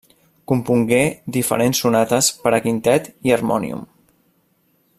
Compongué diferents sonates per a quintet i harmònium.